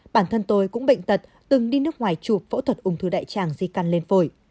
bản thân tôi cũng bệnh tật từng đi nước ngoài chụp phẫu thuật ung thư đại tràng di căn lên phổi